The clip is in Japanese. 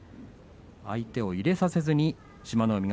相手を入れさせずに志摩ノ